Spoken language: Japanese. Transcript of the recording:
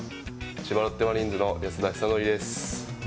千葉ロッテマリーンズの安田尚憲です。